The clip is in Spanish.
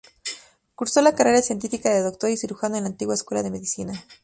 Cursó la carrera científica de doctor y cirujano en la antigua Escuela de Medicina.